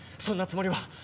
そんなつもりは！